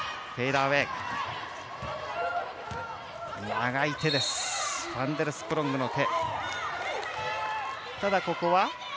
長いファンデルスプロングの手。